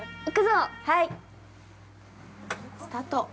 ◆はい！スタート。